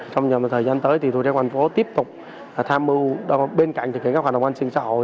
trong thời gian tới tp hcm tiếp tục tham mưu bên cạnh thực hiện các hoạt động an sinh xã hội